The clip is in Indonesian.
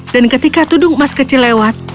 dan ketika tudung emas kecil lewat